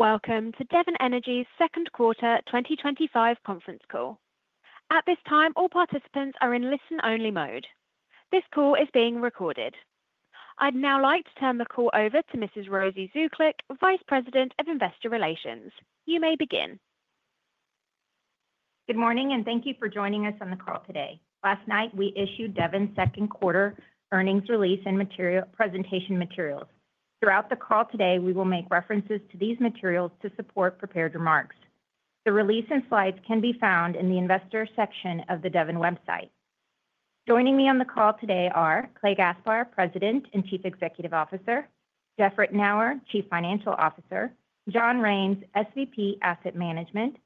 Welcome to Devon Energy's second quarter 2025 conference call. At this time, all participants are in listen-only mode. This call is being recorded. I'd now like to turn the call over to Rosy Zuklic, Vice President of Investor Relations. You may begin. Good morning and thank you for joining us on the call today. Last night, we issued Devon's second quarter earnings release and material presentation materials. Throughout the call today, we will make references to these materials to support prepared remarks. The release and slides can be found in the Investor section of the Devon website. Joining me on the call today are Clay Gaspar, President and Chief Executive Officer, Jeff Ritenour, Chief Financial Officer, John Raines, SVP Asset Management,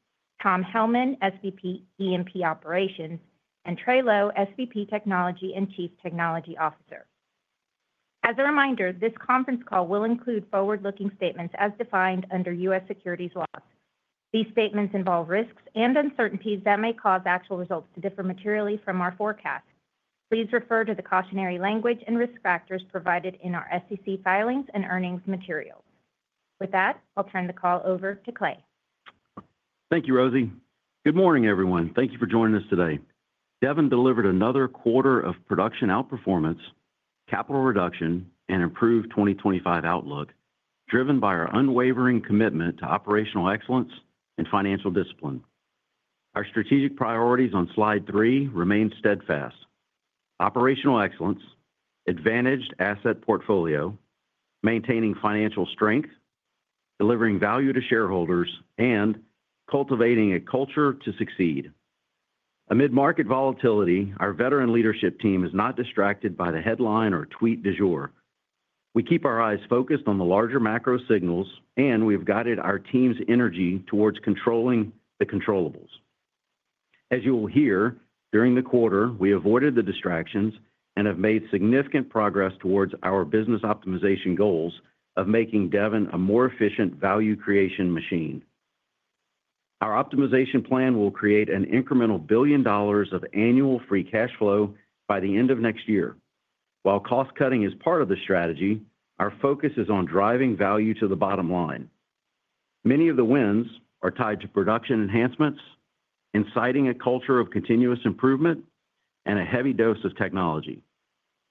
Tom Hellman, SVP E&P Operations, and Trey Lowe, SVP Technology and Chief Technology Officer. As a reminder, this conference call will include forward-looking statements as defined under U.S. Securities Law. These statements involve risks and uncertainties that may cause actual results to differ materially from our forecast. Please refer to the cautionary language and risk factors provided in our SEC filings and earnings materials. With that, I'll turn the call over to Clay. Thank you, Rosy. Good morning, everyone. Thank you for joining us today. Devon delivered another quarter of production outperformance, capital reduction, and improved 2025 outlook, driven by our unwavering commitment to operational excellence and financial discipline. Our strategic priorities on slide three remain steadfast: operational excellence, advantaged asset portfolio, maintaining financial strength, delivering value to shareholders, and cultivating a culture to succeed. Amid market volatility, our veteran leadership team is not distracted by the headline or tweet du jour. We keep our eyes focused on the larger macro signals, and we have guided our team's energy towards controlling the controllables. As you will hear, during the quarter, we avoided the distractions and have made significant progress towards our business optimization goals of making Devon a more efficient value creation machine. Our optimization plan will create an incremental $1 billion of annual free cash flow by the end of next year. While cost cutting is part of the strategy, our focus is on driving value to the bottom line. Many of the wins are tied to production enhancements, inciting a culture of continuous improvement, and a heavy dose of technology.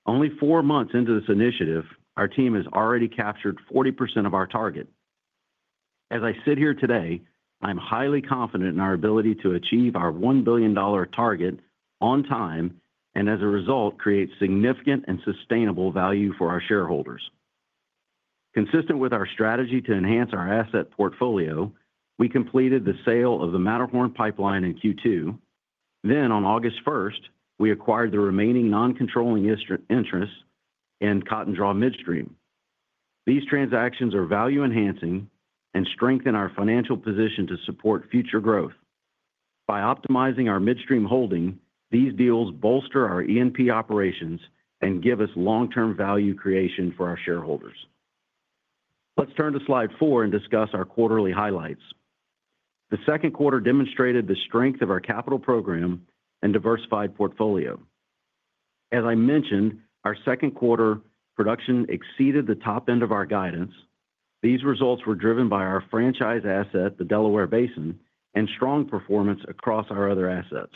Only four months into this initiative, our team has already captured 40% of our target. As I sit here today, I'm highly confident in our ability to achieve our $1 billion target on time, and as a result, create significant and sustainable value for our shareholders. Consistent with our strategy to enhance our asset portfolio, we completed the sale of the Matterhorn pipeline in Q2. On August 1st, we acquired the remaining non-controlling interests in Cotton Draw Midstream. These transactions are value-enhancing and strengthen our financial position to support future growth. By optimizing our midstream holding, these deals bolster our E&P operations and give us long-term value creation for our shareholders. Let's turn to slide four and discuss our quarterly highlights. The second quarter demonstrated the strength of our capital program and diversified portfolio. As I mentioned, our second quarter production exceeded the top end of our guidance. These results were driven by our franchise asset, the Delaware Basin, and strong performance across our other assets.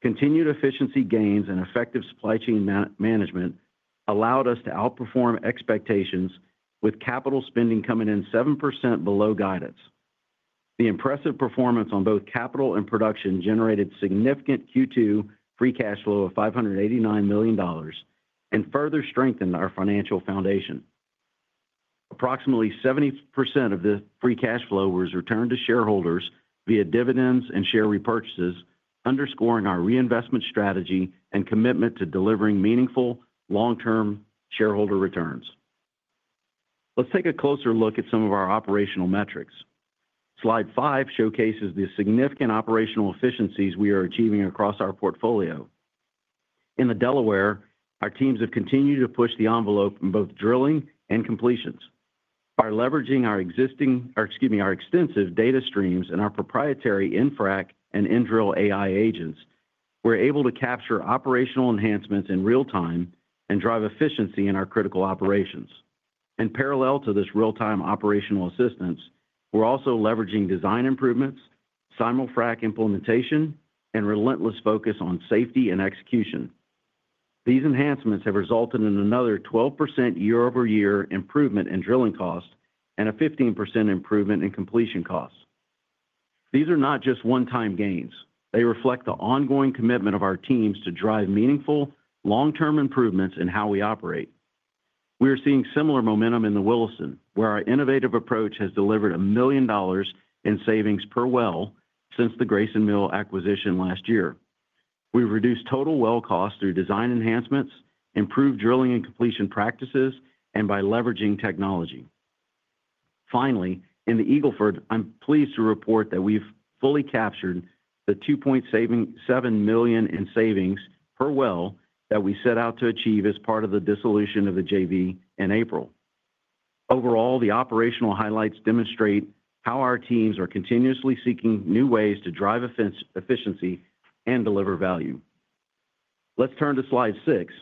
Continued efficiency gains and effective supply chain management allowed us to outperform expectations, with capital spending coming in 7% below guidance. The impressive performance on both capital and production generated significant Q2 free cash flow of $589 million and further strengthened our financial foundation. Approximately 70% of the free cash flow was returned to shareholders via dividends and share repurchases, underscoring our reinvestment strategy and commitment to delivering meaningful long-term shareholder returns. Let's take a closer look at some of our operational metrics. Slide five showcases the significant operational efficiencies we are achieving across our portfolio. In the Delaware, our teams have continued to push the envelope in both drilling and completions. By leveraging our extensive data streams and our proprietary InfraAct and inDrill AI agents, we're able to capture operational enhancements in real time and drive efficiency in our critical operations. In parallel to this real-time operational assistance, we're also leveraging design improvements, simul frac implementation, and relentless focus on safety and execution. These enhancements have resulted in another 12% year-over-year improvement in drilling cost and a 15% improvement in completion cost. These are not just one-time gains; they reflect the ongoing commitment of our teams to drive meaningful long-term improvements in how we operate. We are seeing similar momentum in the Williston, where our innovative approach has delivered $1 million in savings per well since the Grayson Mill acquisition last year. We've reduced total well costs through design enhancements, improved drilling and completion practices, and by leveraging technology. Finally, in the Eagle Ford, I'm pleased to report that we've fully captured the $2.7 million in savings per well that we set out to achieve as part of the dissolution of the JV in April. Overall, the operational highlights demonstrate how our teams are continuously seeking new ways to drive efficiency and deliver value. Let's turn to slide six.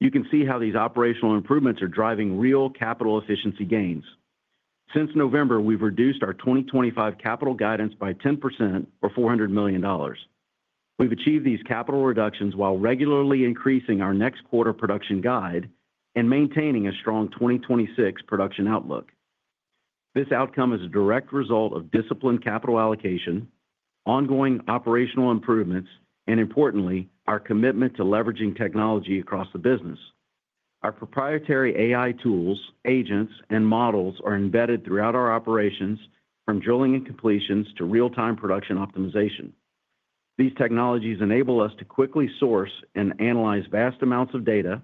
You can see how these operational improvements are driving real capital efficiency gains. Since November, we've reduced our 2025 capital guidance by 10% or $400 million. We've achieved these capital reductions while regularly increasing our next quarter production guide and maintaining a strong 2026 production outlook. This outcome is a direct result of disciplined capital allocation, ongoing operational improvements, and importantly, our commitment to leveraging technology across the business. Our proprietary AI tools, agents, and models are embedded throughout our operations, from drilling and completions to real-time production optimization. These technologies enable us to quickly source and analyze vast amounts of data,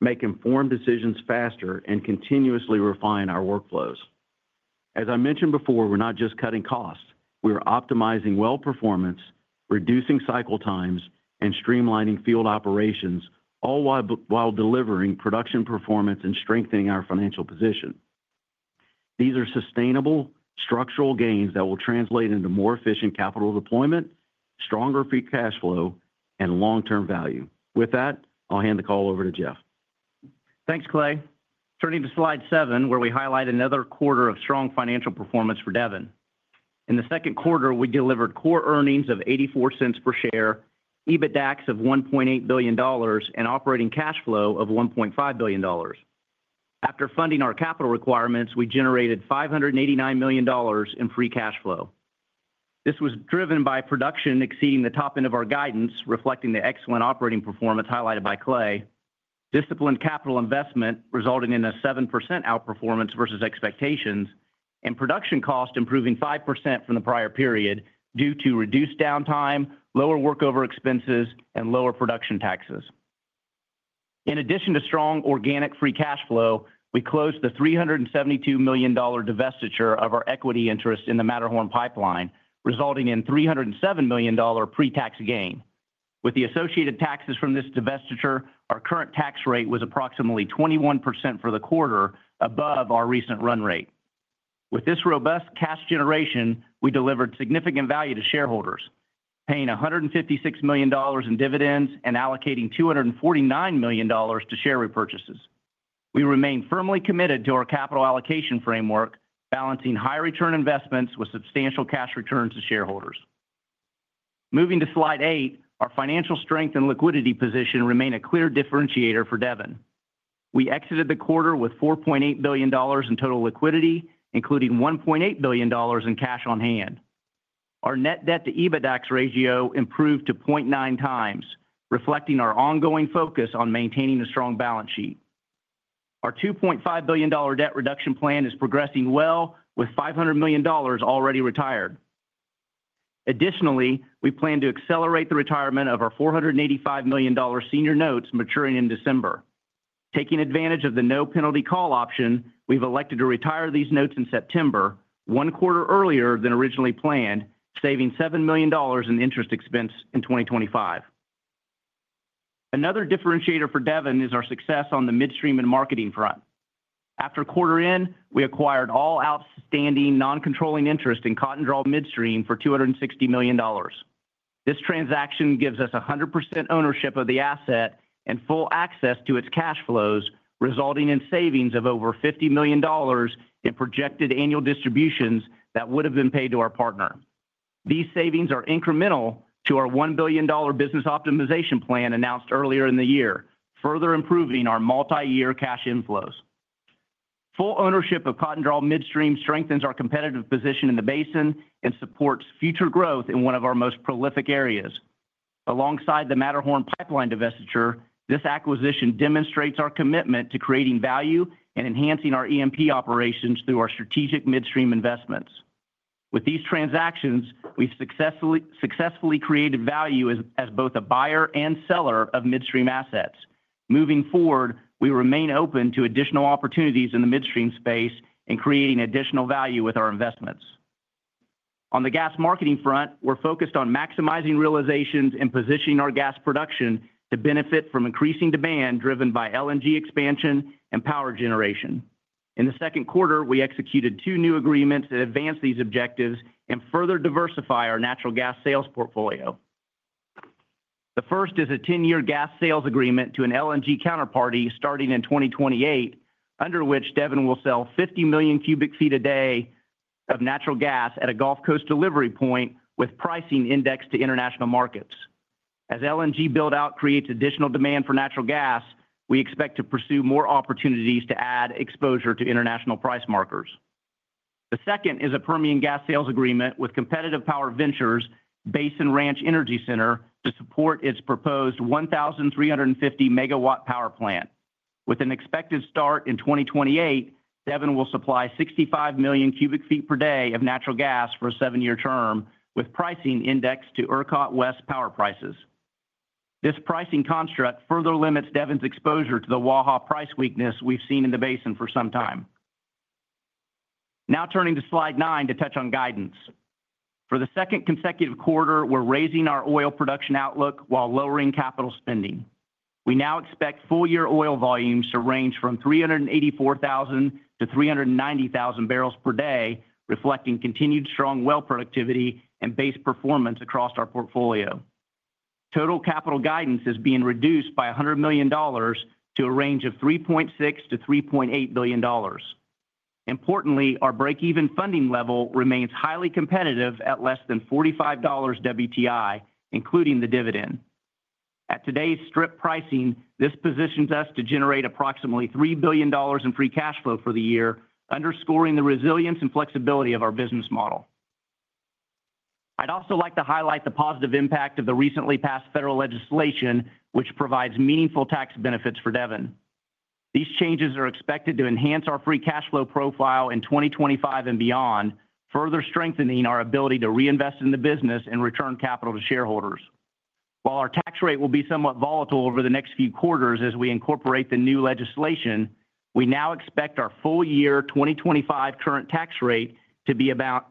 make informed decisions faster, and continuously refine our workflows. As I mentioned before, we're not just cutting costs, we're optimizing well performance, reducing cycle times, and streamlining field operations, all while delivering production performance and strengthening our financial position. These are sustainable, structural gains that will translate into more efficient capital deployment, stronger free cash flow, and long-term value. With that, I'll hand the call over to Jeff. Thanks, Clay. Turning to slide seven, where we highlight another quarter of strong financial performance for Devon. In the second quarter, we delivered core earnings of $0.84 per share, EBITDA of $1.8 billion, and operating cash flow of $1.5 billion. After funding our capital requirements, we generated $589 million in free cash flow. This was driven by production exceeding the top end of our guidance, reflecting the excellent operating performance highlighted by Clay. Disciplined capital investment resulted in a 7% outperformance versus expectations, and production cost improving 5% from the prior period due to reduced downtime, lower workover expenses, and lower production taxes. In addition to strong organic free cash flow, we closed the $372 million divestiture of our equity interest in the Matterhorn pipeline, resulting in a $307 million pre-tax gain. With the associated taxes from this divestiture, our current tax rate was approximately 21% for the quarter, above our recent run rate. With this robust cash generation, we delivered significant value to shareholders, paying $156 million in dividends and allocating $249 million to share repurchases. We remain firmly committed to our capital allocation framework, balancing high return investments with substantial cash returns to shareholders. Moving to slide eight, our financial strength and liquidity position remain a clear differentiator for Devon. We exited the quarter with $4.8 billion in total liquidity, including $1.8 billion in cash on hand. Our net debt to EBITDA ratio improved to 0.9x, reflecting our ongoing focus on maintaining a strong balance sheet. Our $2.5 billion debt reduction plan is progressing well, with $500 million already retired. Additionally, we plan to accelerate the retirement of our $485 million senior notes maturing in December. Taking advantage of the no penalty call option, we've elected to retire these notes in September, one quarter earlier than originally planned, saving $7 million in interest expense in 2025. Another differentiator for Devon is our success on the midstream and marketing front. After quarter end, we acquired all outstanding non-controlling interest in Cotton Draw Midstream for $260 million. This transaction gives us 100% ownership of the asset and full access to its cash flows, resulting in savings of over $50 million in projected annual distributions that would have been paid to our partner. These savings are incremental to our $1 billion business optimization plan announced earlier in the year, further improving our multi-year cash inflows. Full ownership of Cotton Draw Midstream strengthens our competitive position in the basin and supports future growth in one of our most prolific areas. Alongside the Matterhorn pipeline divestiture, this acquisition demonstrates our commitment to creating value and enhancing our E&P operations through our strategic midstream investments. With these transactions, we've successfully created value as both a buyer and seller of midstream assets. Moving forward, we remain open to additional opportunities in the midstream space and creating additional value with our investments. On the gas marketing front, we're focused on maximizing realizations and positioning our gas production to benefit from increasing demand driven by LNG expansion and power generation. In the second quarter, we executed two new agreements that advance these objectives and further diversify our natural gas sales portfolio. The first is a 10-year gas sales agreement to an LNG counterparty starting in 2028, under which Devon will sell 50 million cubic feet a day of natural gas at a Gulf Coast delivery point with pricing indexed to international markets. As LNG buildout creates additional demand for natural gas, we expect to pursue more opportunities to add exposure to international price markers. The second is a Permian gas sales agreement with CPV, Basin Ranch Energy Center, to support its proposed 1,350 MW power plant. With an expected start in 2028, Devon will supply 65 million cubic feet per day of natural gas for a seven-year term, with pricing indexed to ERCOT West power prices. This pricing construct further limits Devon's exposure to the Waha price weakness we've seen in the basin for some time. Now turning to slide nine to touch on guidance. For the second consecutive quarter, we're raising our oil production outlook while lowering capital spending. We now expect full-year oil volumes to range from 384,000 to 390,000 bbl per day, reflecting continued strong well productivity and base performance across our portfolio. Total capital guidance is being reduced by $100 million to a range of $3.6 billion-$3.8 billion. Importantly, our breakeven funding level remains highly competitive at less than $45 WTI, including the dividend. At today's strip pricing, this positions us to generate approximately $3 billion in free cash flow for the year, underscoring the resilience and flexibility of our business model. I'd also like to highlight the positive impact of the recently passed federal legislation, which provides meaningful tax benefits for Devon. These changes are expected to enhance our free cash flow profile in 2025 and beyond, further strengthening our ability to reinvest in the business and return capital to shareholders. While our tax rate will be somewhat volatile over the next few quarters as we incorporate the new legislation, we now expect our full-year 2025 current tax rate to be around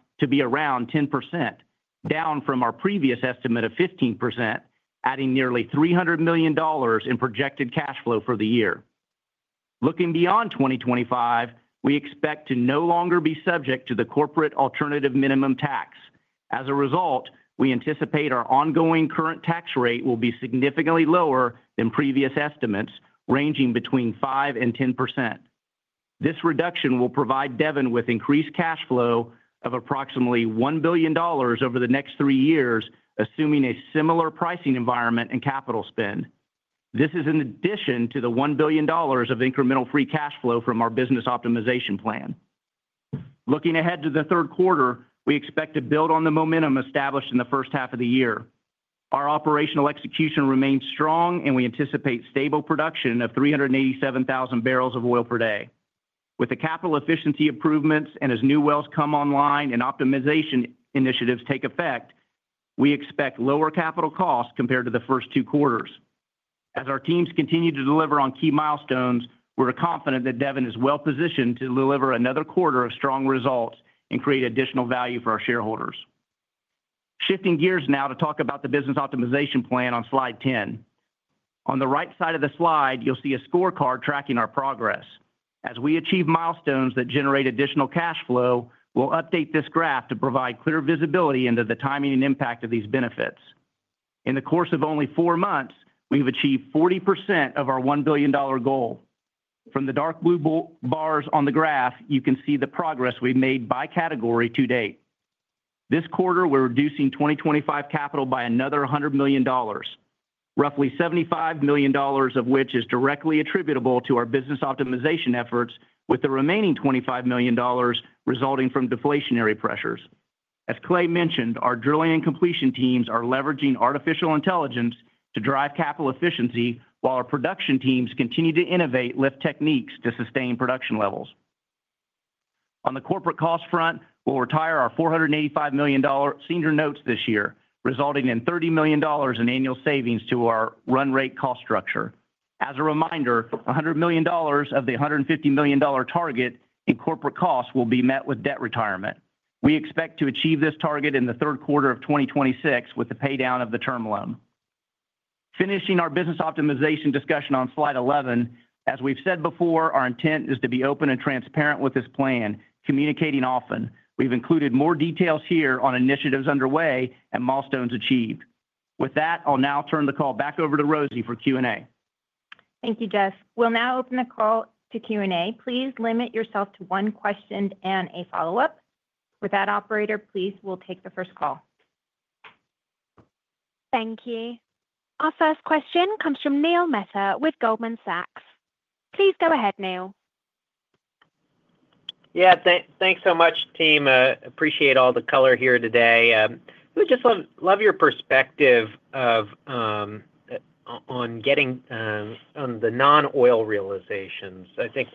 10%, down from our previous estimate of 15%, adding nearly $300 million in projected cash flow for the year. Looking beyond 2025, we expect to no longer be subject to the corporate alternative minimum tax. As a result, we anticipate our ongoing current tax rate will be significantly lower than previous estimates, ranging between 5% and 10%. This reduction will provide Devon with increased cash flow of approximately $1 billion over the next three years, assuming a similar pricing environment and capital spend. This is in addition to the $1 billion of incremental free cash flow from our business optimization plan. Looking ahead to the third quarter, we expect to build on the momentum established in the first half of the year. Our operational execution remains strong, and we anticipate stable production of 387,000 bbl of oil per day. With the capital efficiency improvements and as new wells come online and optimization initiatives take effect, we expect lower capital costs compared to the first two quarters. As our teams continue to deliver on key milestones, we're confident that Devon is well positioned to deliver another quarter of strong results and create additional value for our shareholders. Shifting gears now to talk about the business optimization plan on slide ten. On the right side of the slide, you'll see a scorecard tracking our progress. As we achieve milestones that generate additional cash flow, we'll update this graph to provide clear visibility into the timing and impact of these benefits. In the course of only four months, we've achieved 40% of our $1 billion goal. From the dark blue bars on the graph, you can see the progress we've made by category to date. This quarter, we're reducing 2025 capital by another $100 million, roughly $75 million of which is directly attributable to our business optimization efforts, with the remaining $25 million resulting from deflationary pressures. As Clay mentioned, our drilling and completion teams are leveraging artificial intelligence to drive capital efficiency, while our production teams continue to innovate lift techniques to sustain production levels. On the corporate cost front, we'll retire our $485 million senior notes this year, resulting in $30 million in annual savings to our run rate cost structure. As a reminder, $100 million of the $150 million target in corporate costs will be met with debt retirement. We expect to achieve this target in the third quarter of 2026 with the paydown of the term loan. Finishing our business optimization discussion on slide 11, as we've said before, our intent is to be open and transparent with this plan, communicating often. We've included more details here on initiatives underway and milestones achieved. With that, I'll now turn the call back over to Rosy for Q&A. Thank you, Jeff. We'll now open the call to Q&A. Please limit yourself to one question and a follow-up. Operator, please, we'll take the first call. Thank you. Our first question comes from Neil Mehta with Goldman Sachs. Please go ahead, Neil. Yeah, thanks so much, team. Appreciate all the color here today. I just love your perspective on getting on the non-oil realizations. I think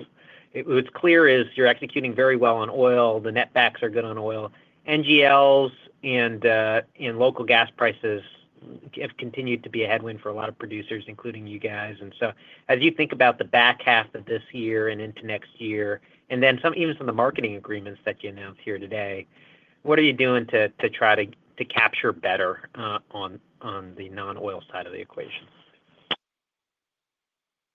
what's clear is you're executing very well on oil. The net backs are good on oil. NGLs and local gas prices have continued to be a headwind for a lot of producers, including you guys. As you think about the back half of this year and into next year, and even some of the marketing agreements that you announced here today, what are you doing to try to capture better on the non-oil side of the equation?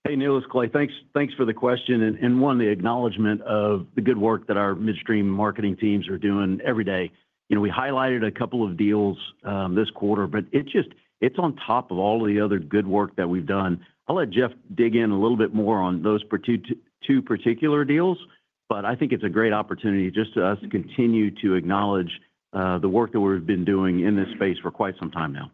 Hey, Neil, it's Clay. Thanks for the question and, one, the acknowledgment of the good work that our midstream marketing teams are doing every day. You know, we highlighted a couple of deals this quarter, but it's just on top of all of the other good work that we've done. I'll let Jeff dig in a little bit more on those two particular deals, but I think it's a great opportunity for us to continue to acknowledge the work that we've been doing in this space for quite some time now.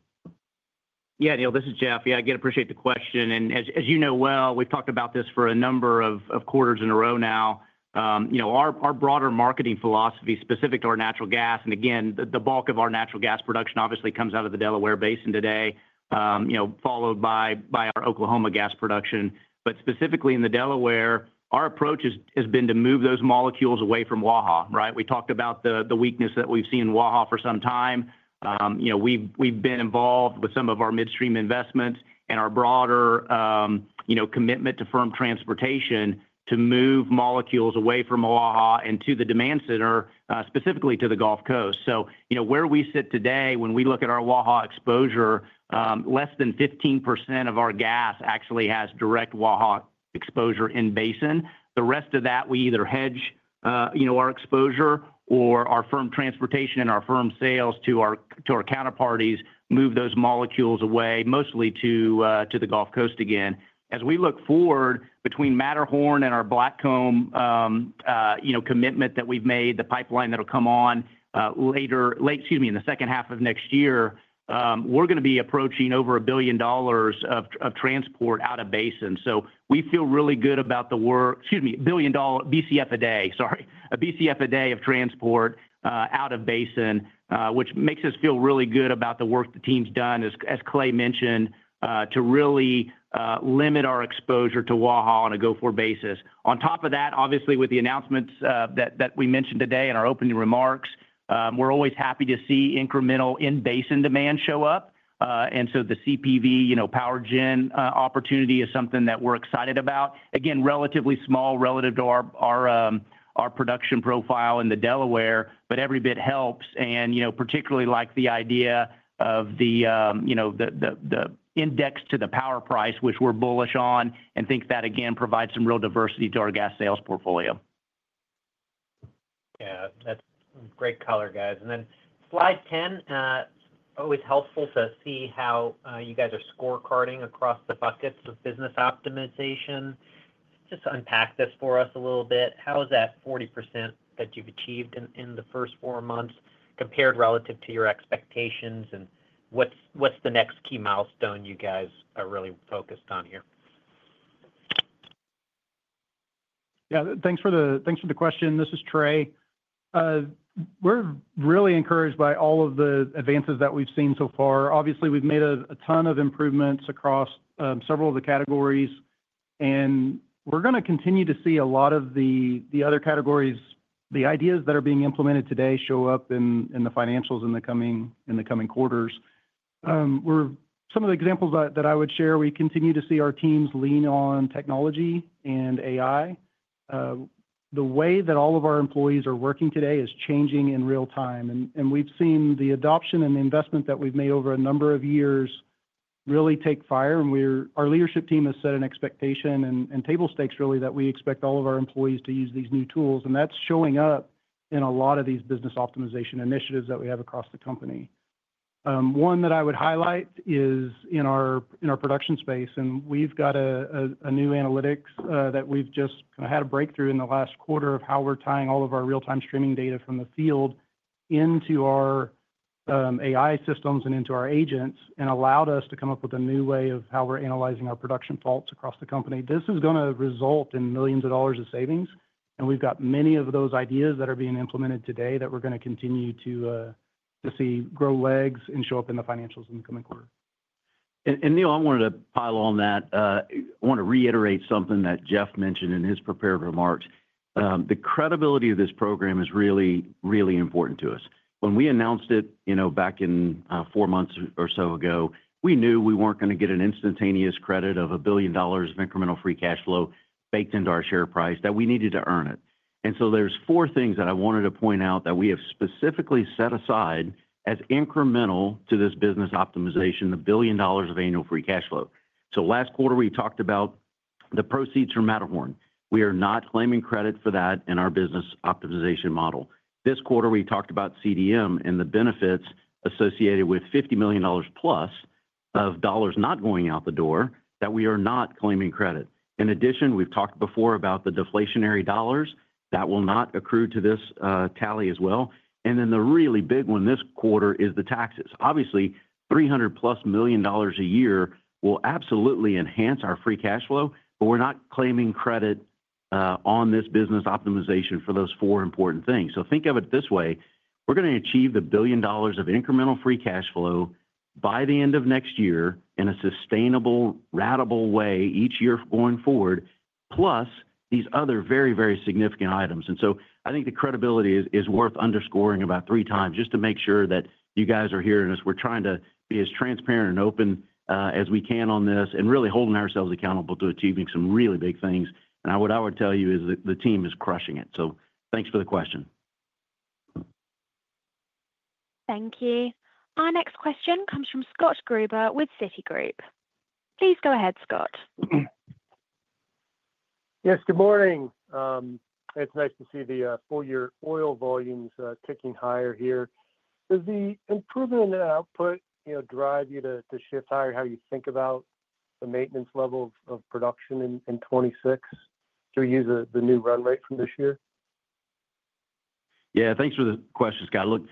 Yeah, Neil, this is Jeff. Appreciate the question. As you know well, we've talked about this for a number of quarters in a row now. Our broader marketing philosophy specific to our natural gas, and again, the bulk of our natural gas production obviously comes out of the Delaware Basin today, followed by our Oklahoma gas production. Specifically in the Delaware, our approach has been to move those molecules away from Waha, right? We talked about the weakness that we've seen in Waha for some time. We've been involved with some of our midstream investments and our broader commitment to firm transportation to move molecules away from Waha and to the demand center, specifically to the Gulf Coast. Where we sit today, when we look at our Waha exposure, less than 15% of our gas actually has direct Waha exposure in basin. The rest of that we either hedge, our exposure or our firm transportation and our firm sales to our counterparties move those molecules away, mostly to the Gulf Coast again. As we look forward between Matterhorn and our Blackcomb commitment that we've made, the pipeline that'll come on later, excuse me, in the second half of next year, we're going to be approaching over $1 billion of transport out of basin. We feel really good about the work, excuse me, 1 BCF a day, sorry, a BCF a day of transport out of basin, which makes us feel really good about the work the team's done, as Clay mentioned, to really limit our exposure to Waha on a go-forward basis. On top of that, with the announcements that we mentioned today in our opening remarks, we're always happy to see incremental in basin demand show up. The CPV power gen opportunity is something that we're excited about. Again, relatively small relative to our production profile in the Delaware, but every bit helps. We particularly like the idea of the index to the power price, which we're bullish on, and think that again provides some real diversity to our gas sales portfolio. Yeah, that's great color, guys. Slide ten, always helpful to see how you guys are scorecarding across the buckets of business optimization. Just unpack this for us a little bit. How is that 40% that you've achieved in the first four months compared relative to your expectations? What's the next key milestone you guys are really focused on here? Yeah, thanks for the question. This is Trey. We're really encouraged by all of the advances that we've seen so far. Obviously, we've made a ton of improvements across several of the categories, and we're going to continue to see a lot of the other categories, the ideas that are being implemented today show up in the financials in the coming quarters. Some of the examples that I would share, we continue to see our teams lean on technology and AI. The way that all of our employees are working today is changing in real time, and we've seen the adoption and the investment that we've made over a number of years really take fire. Our leadership team has set an expectation and table stakes really that we expect all of our employees to use these new tools, and that's showing up in a lot of these business optimization initiatives that we have across the company. One that I would highlight is in our production space, and we've got a new analytics that we've just had a breakthrough in the last quarter of how we're tying all of our real-time streaming data from the field into our AI systems and into our agents and allowed us to come up with a new way of how we're analyzing our production faults across the company. This is going to result in millions of dollars of savings, and we've got many of those ideas that are being implemented today that we're going to continue to see grow legs and show up in the financials in the coming quarter. Neil, I wanted to pile on that. I want to reiterate something that Jeff mentioned in his prepared remarks. The credibility of this program is really, really important to us. When we announced it, back in four months or so ago, we knew we were not going to get an instantaneous credit of $1 billion of incremental free cash flow baked into our share price, that we needed to earn it. There are four things that I wanted to point out that we have specifically set aside as incremental to this business optimization, the $1 billion of annual free cash flow. Last quarter, we talked about the proceeds from Matterhorn. We are not claiming credit for that in our business optimization model. This quarter, we talked about CDM and the benefits associated with $50 million+ of dollars not going out the door that we are not claiming credit for. In addition, we have talked before about the deflationary dollars that will not accrue to this tally as well. The really big one this quarter is the taxes. Obviously, $300 million+ a year will absolutely enhance our free cash flow, but we are not claiming credit on this business optimization for those four important things. Think of it this way. We are going to achieve the $1 billion of incremental free cash flow by the end of next year in a sustainable, ratable way each year going forward, plus these other very, very significant items. I think the credibility is worth underscoring about three times just to make sure that you guys are hearing us. We are trying to be as transparent and open as we can on this and really holding ourselves accountable to achieving some really big things. What I would tell you is that the team is crushing it. Thanks for the question. Thank you. Our next question comes from Scott Gruber with Citigroup. Please go ahead, Scott. Yes, good morning. It's nice to see the full-year oil volumes kicking higher here. Does the improvement in the output drive you to shift higher how you think about the maintenance levels of production in 2026 to use the new run rate from this year? Yeah, thanks for the question, Scott. Look,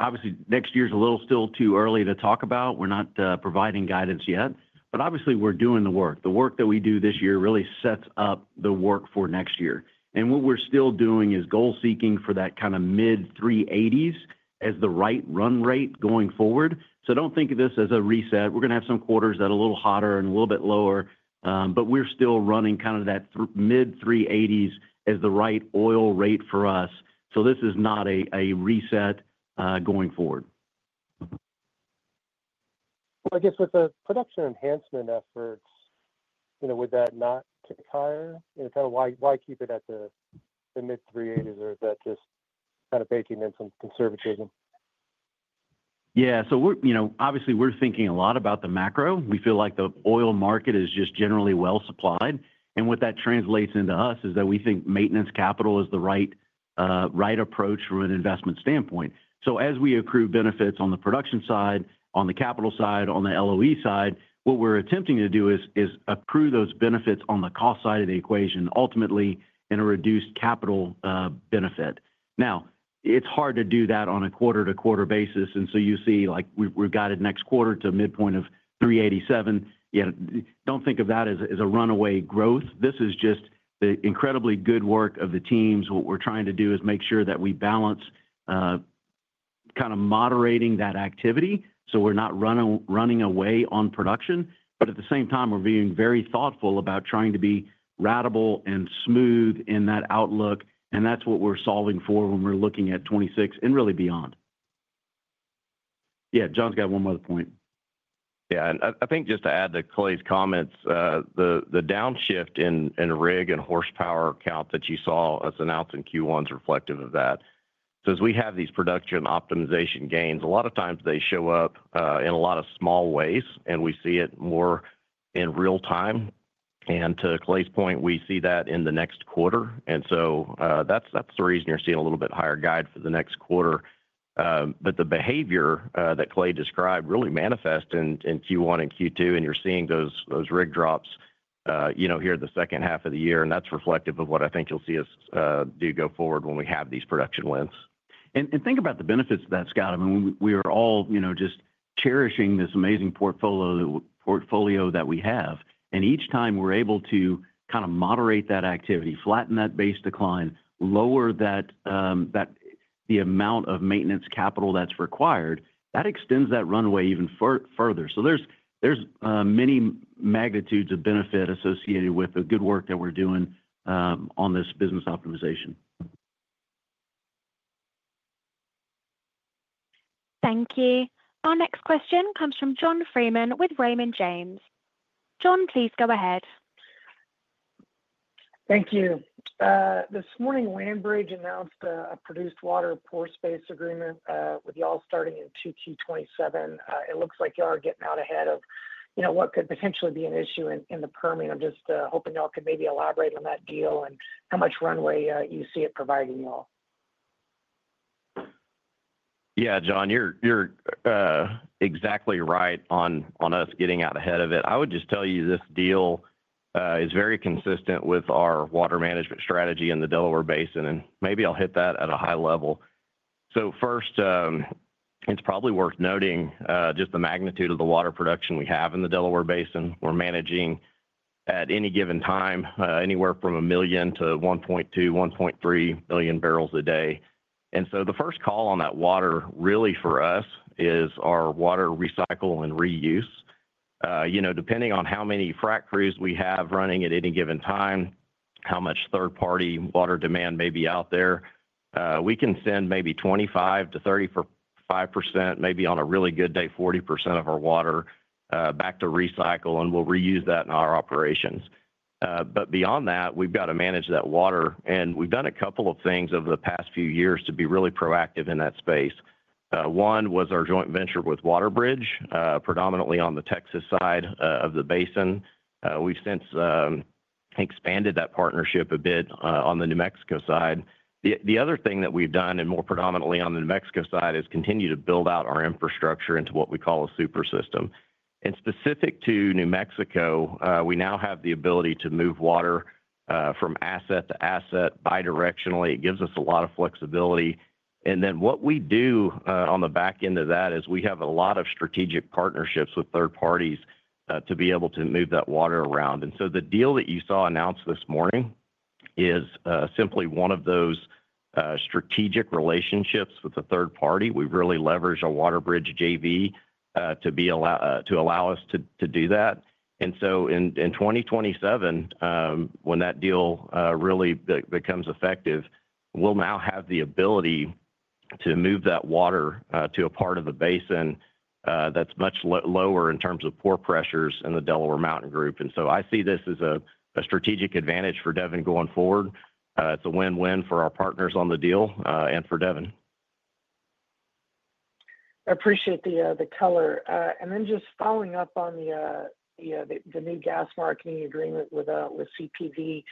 obviously next year is still a little too early to talk about. We're not providing guidance yet, but obviously we're doing the work. The work that we do this year really sets up the work for next year. What we're still doing is goal seeking for that kind of mid-380s as the right run rate going forward. Do not think of this as a reset. We're going to have some quarters that are a little hotter and a little bit lower, but we're still running kind of that mid-380s as the right oil rate for us. This is not a reset going forward. I guess with the production enhancement efforts, would that not kick higher? Kind of why keep it at the mid-380s? Or is that just kind of baking in some conservatism? Yeah, so we're obviously thinking a lot about the macro. We feel like the oil market is just generally well supplied. What that translates into for us is that we think maintenance capital is the right approach from an investment standpoint. As we accrue benefits on the production side, on the capital side, on the LOE side, what we're attempting to do is accrue those benefits on the cost side of the equation, ultimately in a reduced capital benefit. It's hard to do that on a quarter-to-quarter basis. You see we've got it next quarter to a midpoint of 387. You don't think of that as a runaway growth. This is just the incredibly good work of the teams. What we're trying to do is make sure that we balance kind of moderating that activity so we're not running away on production. At the same time, we're being very thoughtful about trying to be ratable and smooth in that outlook. That's what we're solving for when we're looking at 2026 and really beyond. Yeah, John's got one more point. Yeah, I think just to add to Clay's comments, the downshift in rig and horsepower count that you saw us announce in Q1 is reflective of that. As we have these production optimization gains, a lot of times they show up in a lot of small ways, and we see it more in real time. To Clay's point, we see that in the next quarter, and that's the reason you're seeing a little bit higher guide for the next quarter. The behavior that Clay described really manifests in Q1 and Q2, and you're seeing those rig drops here in the second half of the year, and that's reflective of what I think you'll see us do go forward when we have these production wins. Think about the benefits of that, Scott. I mean, we are all, you know, just cherishing this amazing portfolio that we have. Each time we're able to kind of moderate that activity, flatten that base decline, lower the amount of maintenance capital that's required, that extends that runway even further. There are many magnitudes of benefit associated with the good work that we're doing on this business optimization. Thank you. Our next question comes from John Freeman with Raymond James. John, please go ahead. Thank you. This morning, LandBridge announced a produced water pore space agreement with y'all starting in 2027. It looks like y'all are getting out ahead of, you know, what could potentially be an issue in the Permian. I'm just hoping y'all could maybe elaborate on that deal and how much runway you see it providing y'all. Yeah, John, you're exactly right on us getting out ahead of it. I would just tell you this deal is very consistent with our water management strategy in the Delaware Basin, and maybe I'll hit that at a high level. First, it's probably worth noting just the magnitude of the water production we have in the Delaware Basin. We're managing at any given time anywhere from $1 million-$1.2 million, $1.3 million bbl a day. The first call on that water really for us is our water recycle and reuse. Depending on how many frac crews we have running at any given time, how much third-party water demand may be out there, we can send maybe 25%-35%, maybe on a really good day, 40% of our water back to recycle, and we'll reuse that in our operations. Beyond that, we've got to manage that water. We've done a couple of things over the past few years to be really proactive in that space. One was our joint venture with WaterBridge, predominantly on the Texas side of the basin. We've since expanded that partnership a bit on the New Mexico side. The other thing that we've done, and more predominantly on the New Mexico side, is continue to build out our infrastructure into what we call a super system. Specific to New Mexico, we now have the ability to move water from asset to asset bidirectionally. It gives us a lot of flexibility. What we do on the back end of that is we have a lot of strategic partnerships with third parties to be able to move that water around. The deal that you saw announced this morning is simply one of those strategic relationships with a third party. We've really leveraged a WaterBridge JV to allow us to do that. In 2027, when that deal really becomes effective, we'll now have the ability to move that water to a part of the basin that's much lower in terms of pore pressures in the Delaware Mountain group. I see this as a strategic advantage for Devon going forward. It's a win-win for our partners on the deal and for Devon. I appreciate the color. Just following up on the new gas marketing agreement with CPV,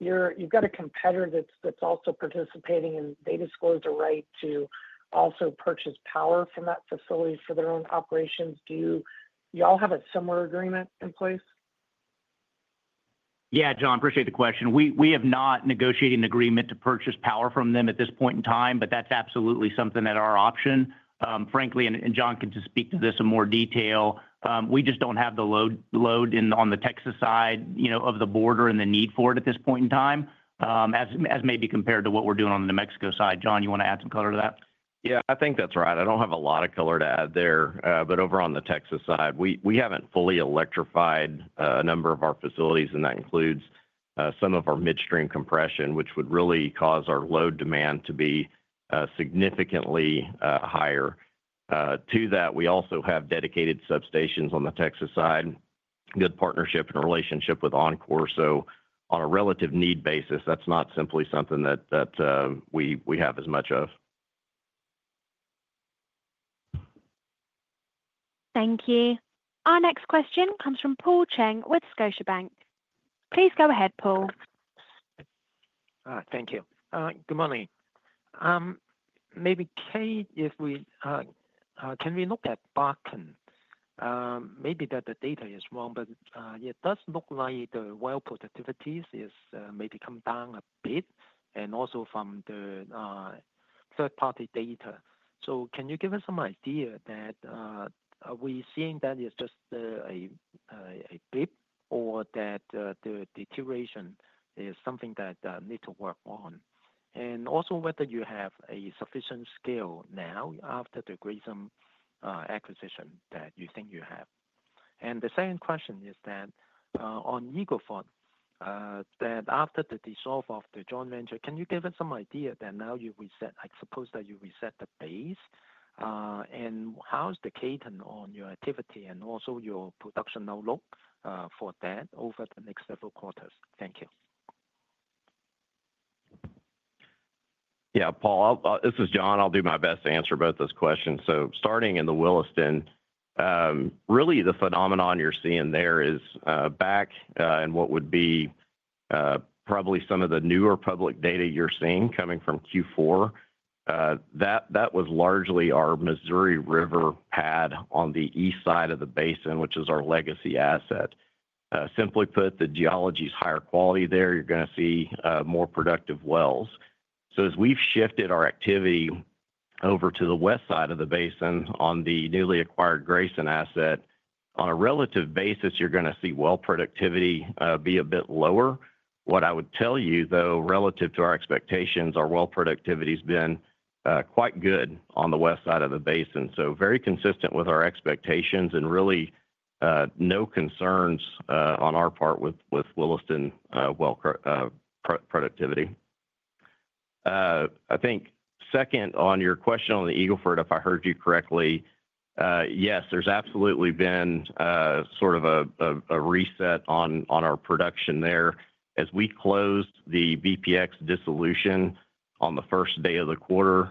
you've got a competitor that's also participating, and they disclosed a right to also purchase power from that facility for their own operations. Do you all have a similar agreement in place? Yeah, John, I appreciate the question. We have not negotiated an agreement to purchase power from them at this point in time, but that's absolutely something that's our option, frankly, and John can speak to this in more detail. We just don't have the load on the Texas side of the border and the need for it at this point in time, as maybe compared to what we're doing on the New Mexico side. John, you want to add some color to that? Yeah, I think that's right. I don't have a lot of color to add there, but over on the Texas side, we haven't fully electrified a number of our facilities, and that includes some of our midstream compression, which would really cause our load demand to be significantly higher. To that, we also have dedicated substations on the Texas side, good partnership and relationship with Encore. On a relative need basis, that's not simply something that we have as much of. Thank you. Our next question comes from Paul Cheng with Scotiabank. Please go ahead, Paul. Thank you. Good morning. Maybe if we can look at Bakken, maybe the data is wrong, but it does look like the well productivities maybe come down a bit and also from the third-party data. Can you give us some idea that are we seeing that is just a blip or that the deterioration is something that needs to work on? Also, whether you have a sufficient scale now after the Grayson acquisition that you think you have. The second question is that on Eagle Ford, after the dissolve of the joint venture, can you give us some idea that now you reset, I suppose that you reset the base, and how is the cadence on your activity and also your production outlook for that over the next several quarters? Thank you. Yeah, Paul, this is John. I'll do my best to answer both those questions. Starting in the Williston, the phenomenon you're seeing there is back in what would be probably some of the newer public data you're seeing coming from Q4. That was largely our Missouri River pad on the east side of the basin, which is our legacy asset. Simply put, the geology is higher quality there. You're going to see more productive wells. As we've shifted our activity over to the west side of the basin on the newly acquired Grayson asset, on a relative basis, you're going to see well productivity be a bit lower. What I would tell you, though, relative to our expectations, our well productivity has been quite good on the west side of the basin. Very consistent with our expectations and really no concerns on our part with Williston well productivity. I think second on your question on the Eagle Ford, if I heard you correctly, yes, there's absolutely been sort of a reset on our production there. As we closed the BPX dissolution on the first day of the quarter,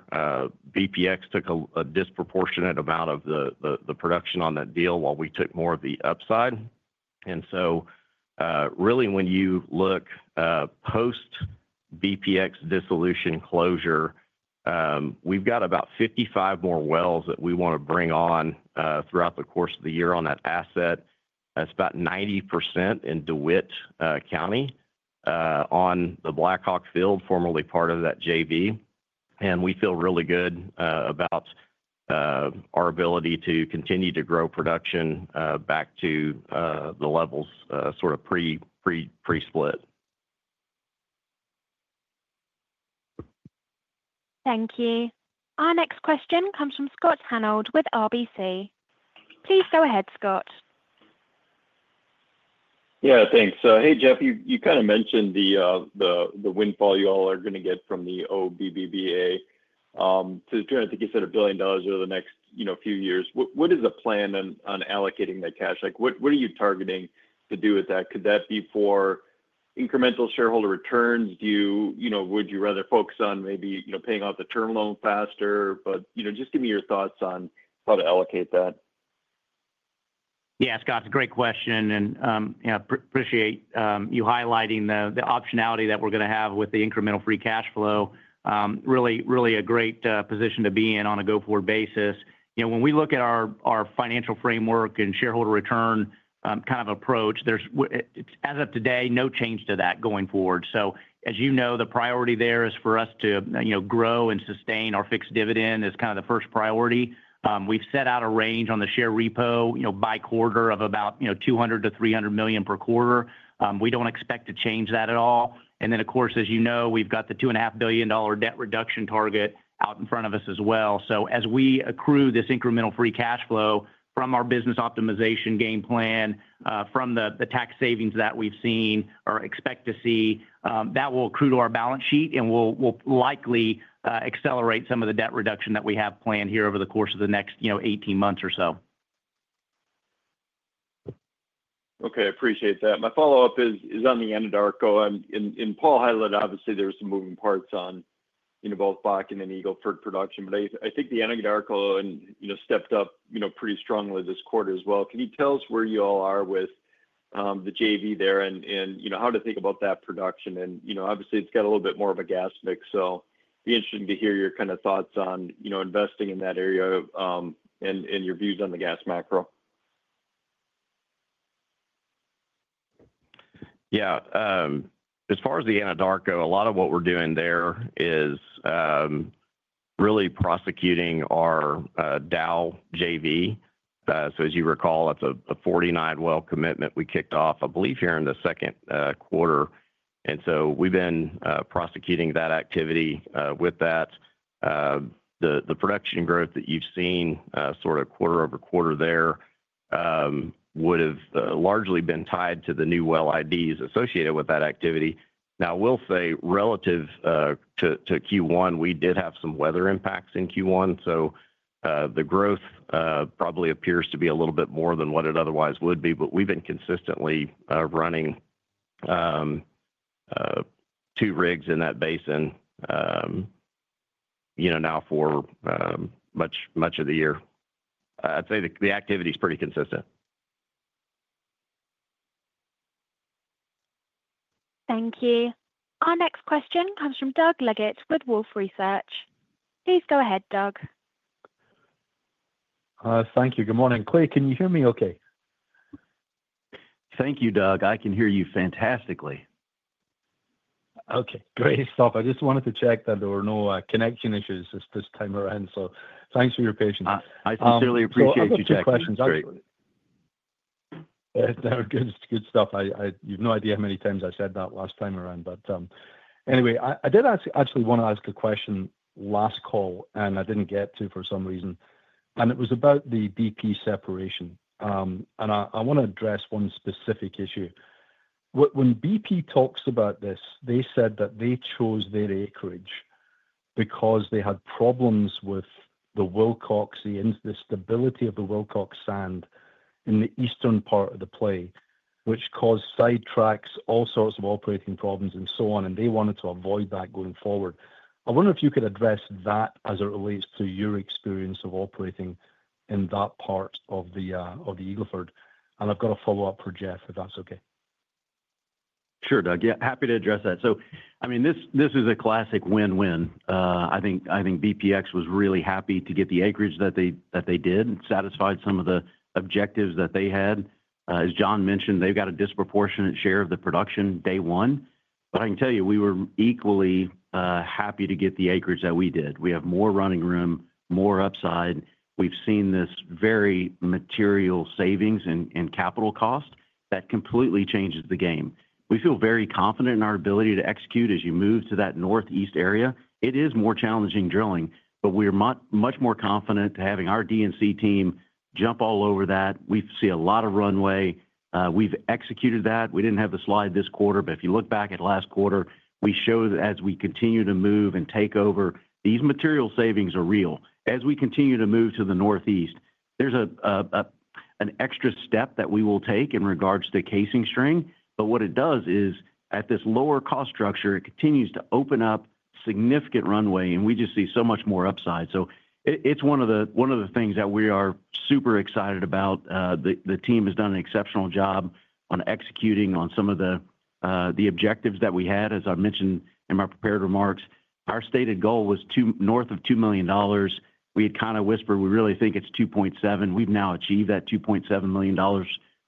BPX took a disproportionate amount of the production on that deal while we took more of the upside. Really, when you look post-BPX dissolution closure, we've got about 55 more wells that we want to bring on throughout the course of the year on that asset. That's about 90% in DeWitt County on the Blackhawk Field, formerly part of that JV. We feel really good about our ability to continue to grow production back to the levels sort of pre-split. Thank you. Our next question comes from Scott Hanold with RBC. Please go ahead, Scott. Yeah, thanks. Hey, Jeff, you kind of mentioned the windfall you all are going to get from the OBBBA to, I think you said, $1 billion over the next few years. What is the plan on allocating that cash? Like, what are you targeting to do with that? Could that be for incremental shareholder returns? Do you, you know, would you rather focus on maybe paying off the term loan faster? You know, just give me your thoughts on how to allocate that. Yeah, Scott, it's a great question. I appreciate you highlighting the optionality that we're going to have with the incremental free cash flow. Really, really a great position to be in on a go-forward basis. When we look at our financial framework and shareholder return kind of approach, there's, as of today, no change to that going forward. As you know, the priority there is for us to grow and sustain our fixed dividend as kind of the first priority. We've set out a range on the share repurchases by quarter of about $200 million-$300 million per quarter. We don't expect to change that at all. Of course, as you know, we've got the $2.5 billion debt reduction target out in front of us as well. As we accrue this incremental free cash flow from our business optimization game plan, from the tax savings that we've seen or expect to see, that will accrue to our balance sheet and will likely accelerate some of the debt reduction that we have planned here over the course of the next 18 months or so. Okay, I appreciate that. My follow-up is on the Anadarko. In Paul's highlight, obviously, there were some moving parts on both Barken and Eagle Ford production, but I think the Anadarko stepped up pretty strongly this quarter as well. Can you tell us where you all are with the JV there and how to think about that production? Obviously, it's got a little bit more of a gas mix. It'd be interesting to hear your kind of thoughts on investing in that area and your views on the gas macro. Yeah, as far as the Anadarko, a lot of what we're doing there is really prosecuting our Dow JV. As you recall, that's the 49-well commitment we kicked off, I believe, here in the second quarter. We've been prosecuting that activity with that. The production growth that you've seen sort of quarter over quarter there would have largely been tied to the new well IDs associated with that activity. I will say relative to Q1, we did have some weather impacts in Q1. The growth probably appears to be a little bit more than what it otherwise would be, but we've been consistently running two rigs in that basin, you know, now for much of the year. I'd say the activity is pretty consistent. Thank you. Our next question comes from Doug Leggate with Wolfe Research. Please go ahead, Doug. Thank you. Good morning. Clay, can you hear me okay? Thank you, Doug. I can hear you fantastically. Okay, great stuff. I just wanted to check that there were no connection issues this time around. Thanks for your patience. I sincerely appreciate you checking in. That was good stuff. You have no idea how many times I said that last time around. Anyway, I did actually want to ask a question last call, and I didn't get to for some reason. It was about the BP separation. I want to address one specific issue. When BP talks about this, they said that they chose their acreage because they had problems with the Wilcox, the instability of the Wilcox sand in the eastern part of the play, which caused sidetracks, all sorts of operating problems, and so on. They wanted to avoid that going forward. I wonder if you could address that as it relates to your experience of operating in that part of the Eagle Ford. I've got a follow-up for Jeff, if that's okay. Sure, Doug. Yeah, happy to address that. This is a classic win-win. I think BPX was really happy to get the acreage that they did. It satisfied some of the objectives that they had. As John mentioned, they've got a disproportionate share of the production day one. I can tell you we were equally happy to get the acreage that we did. We have more running room, more upside. We've seen this very material savings in capital cost that completely changes the game. We feel very confident in our ability to execute as you move to that northeast area. It is more challenging drilling, but we are much more confident having our DNC team jump all over that. We see a lot of runway. We've executed that. We didn't have the slide this quarter, but if you look back at last quarter, we show that as we continue to move and take over, these material savings are real. As we continue to move to the northeast, there's an extra step that we will take in regards to casing string. What it does is at this lower cost structure, it continues to open up significant runway, and we just see so much more upside. It's one of the things that we are super excited about. The team has done an exceptional job on executing on some of the objectives that we had. As I mentioned in my prepared remarks, our stated goal was north of $2 million. We had kind of whispered, we really think it's $2.7 million. We've now achieved that $2.7 million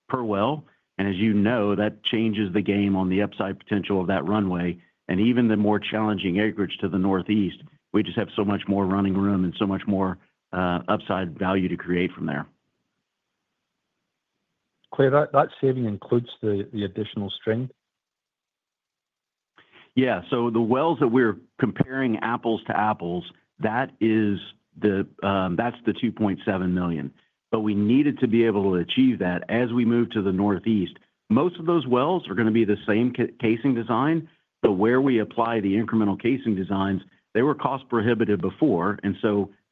per well. As you know, that changes the game on the upside potential of that runway. Even the more challenging acreage to the northeast, we just have so much more running room and so much more upside value to create from there. Clay, that saving includes the additional string? Yeah, so the wells that we're comparing apples to apples, that's the $2.7 million. We needed to be able to achieve that as we move to the northeast. Most of those wells are going to be the same casing design. Where we apply the incremental casing designs, they were cost-prohibitive before and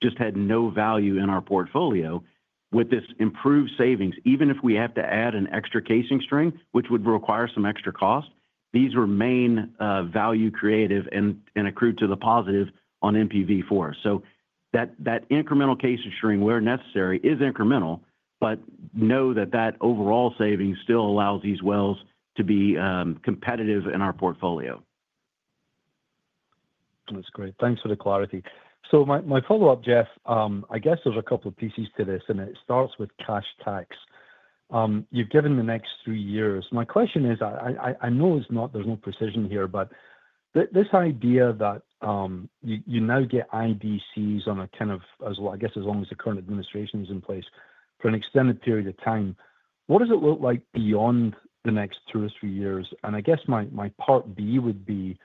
just had no value in our portfolio. With this improved savings, even if we have to add an extra casing string, which would require some extra cost, these remain value creative and accrue to the positive on MPV4. That incremental casing string, where necessary, is incremental, but know that the overall savings still allows these wells to be competitive in our portfolio. That's great. Thanks for the clarity. My follow-up, Jeff, I guess there's a couple of pieces to this, and it starts with cash tax. You've given the next three years. My question is, I know there's no precision here, but this idea that you now get IDCs on a kind of, I guess, as long as the current administration is in place for an extended period of time, what does it look like beyond the next two or three years? My part B would be,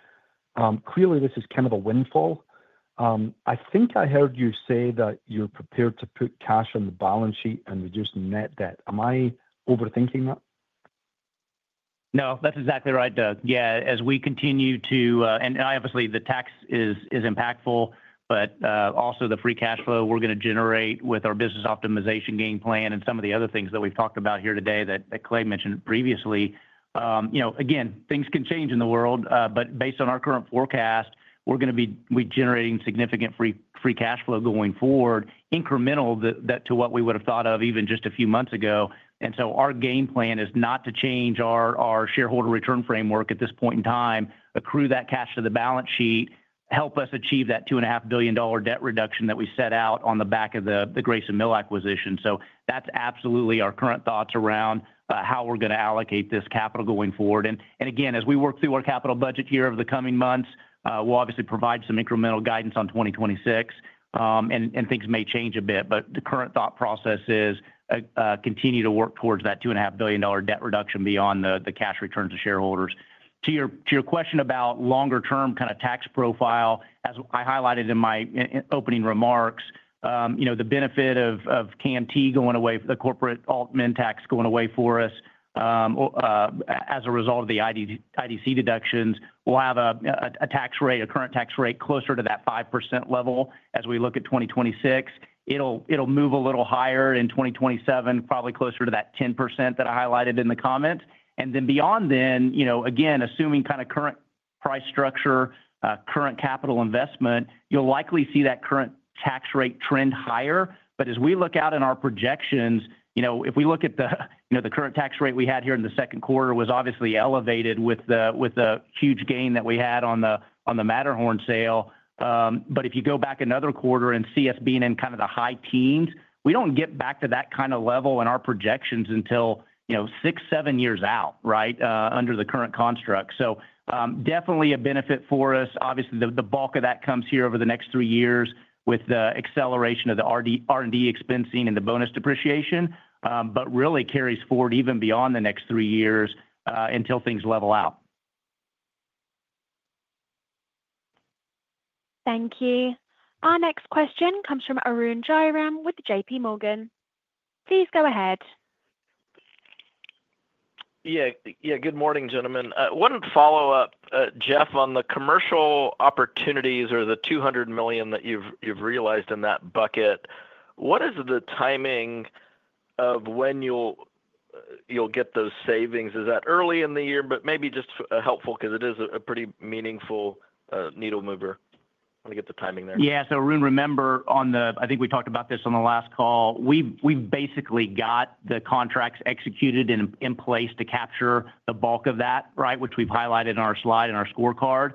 clearly, this is kind of a windfall. I think I heard you say that you're prepared to put cash on the balance sheet and reduce net debt. Am I overthinking that? No, that's exactly right, Doug. Yeah, as we continue to, and obviously the tax is impactful, but also the free cash flow we're going to generate with our business optimization game plan and some of the other things that we've talked about here today that Clay mentioned previously. Again, things can change in the world, but based on our current forecast, we're going to be generating significant free cash flow going forward, incremental to what we would have thought of even just a few months ago. Our game plan is not to change our shareholder return framework at this point in time, accrue that cash to the balance sheet, help us achieve that $2.5 billion debt reduction that we set out on the back of the Grayson Mill acquisition. That's absolutely our current thoughts around how we're going to allocate this capital going forward. As we work through our capital budget here over the coming months, we'll obviously provide some incremental guidance on 2026, and things may change a bit, but the current thought process is continue to work towards that $2.5 billion debt reduction beyond the cash return to shareholders. To your question about longer-term kind of tax profile, as I highlighted in my opening remarks, the benefit of CAMT going away, the corporate alternative minimum tax going away for us as a result of the IDC deductions, we'll have a tax rate, a current tax rate closer to that 5% level as we look at 2026. It'll move a little higher in 2027, probably closer to that 10% that I highlighted in the comments. Beyond then, again, assuming kind of current price structure, current capital investment, you'll likely see that current tax rate trend higher. As we look out in our projections, if we look at the current tax rate we had here in the second quarter, it was obviously elevated with the huge gain that we had on the Matterhorn sale. If you go back another quarter and see us being in kind of the high teens, we don't get back to that kind of level in our projections until, you know, six, seven years out, right, under the current construct. Definitely a benefit for us. Obviously, the bulk of that comes here over the next three years with the acceleration of the R&D expensing and the bonus depreciation, but really carries forward even beyond the next three years until things level out. Thank you. Our next question comes from Arun Jayaram with JPMorgan. Please go ahead. Yeah, good morning, gentlemen. One follow-up, Jeff, on the commercial opportunities or the $200 million that you've realized in that bucket. What is the timing of when you'll get those savings? Is that early in the year? Maybe just helpful because it is a pretty meaningful needle mover. I want to get the timing there. Yeah, Arun, remember on the, I think we talked about this on the last call, we've basically got the contracts executed in place to capture the bulk of that, right, which we've highlighted in our slide and our scorecard.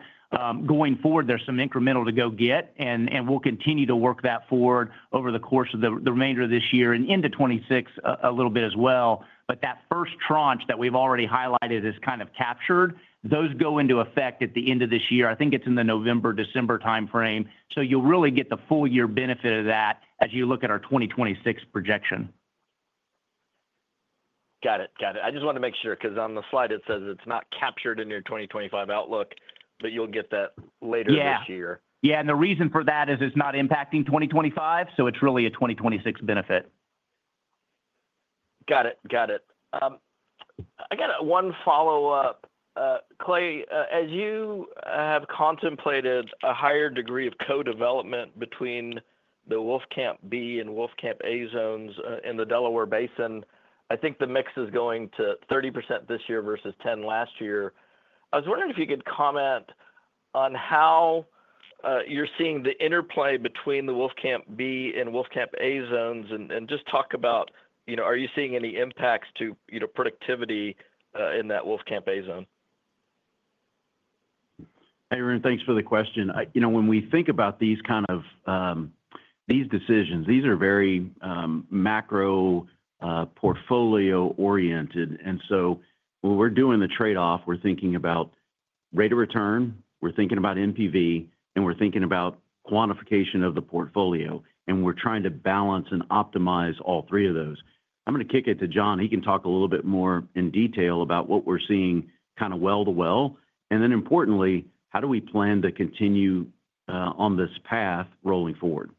Going forward, there's some incremental to go get, and we'll continue to work that forward over the course of the remainder of this year and into 2026 a little bit as well. That first tranche that we've already highlighted is kind of captured. Those go into effect at the end of this year. I think it's in the November-December timeframe. You'll really get the full year benefit of that as you look at our 2026 projection. Got it. I just wanted to make sure because on the slide it says it's not captured in your 2025 outlook, but you'll get that later this year. Yeah, the reason for that is it's not impacting 2025. It's really a 2026 benefit. Got it. I got one follow-up. Clay, as you have contemplated a higher degree of co-development between the Wolfcamp B and Wolfcamp A zones in the Delaware Basin, I think the mix is going to 30% this year versus 10% last year. I was wondering if you could comment on how you're seeing the interplay between the Wolfcamp B and Wolfcamp A zones and just talk about, you know, are you seeing any impacts to, you know, productivity in that Wolfcamp A zone? Hey, Arun, thanks for the question. You know, when we think about these kind of decisions, these are very macro portfolio-oriented. When we're doing the trade-off, we're thinking about rate of return, we're thinking about NPV, and we're thinking about quantification of the portfolio. We're trying to balance and optimize all three of those. I'm going to kick it to John. He can talk a little bit more in detail about what we're seeing kind of well to well. Importantly, how do we plan to continue on this path rolling forward?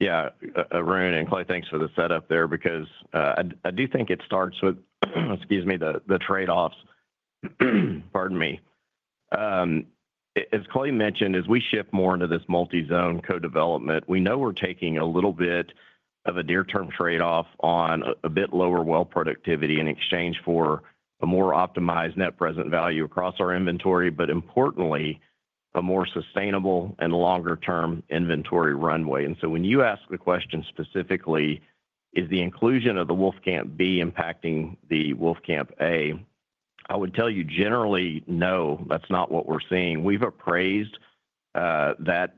Yeah, Arun and Clay, thanks for the setup there because I do think it starts with the trade-offs. As Clay mentioned, as we shift more into this multi-zone co-development, we know we're taking a little bit of a near-term trade-off on a bit lower well productivity in exchange for a more optimized net present value across our inventory, but importantly, a more sustainable and longer-term inventory runway. When you ask the question specifically, is the inclusion of the Wolfcamp B impacting the Wolfcamp A, I would tell you generally, no, that's not what we're seeing. We've appraised that